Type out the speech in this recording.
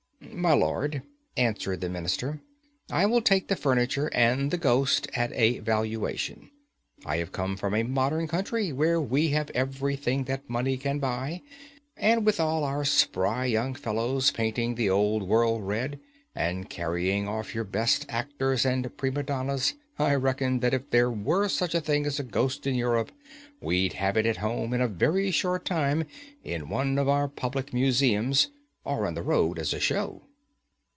"My Lord," answered the Minister, "I will take the furniture and the ghost at a valuation. I have come from a modern country, where we have everything that money can buy; and with all our spry young fellows painting the Old World red, and carrying off your best actors and prima donnas, I reckon that if there were such a thing as a ghost in Europe, we'd have it at home in a very short time in one of our public museums, or on the road as a show."